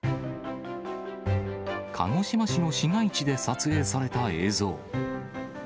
鹿児島市の市街地で撮影された映像。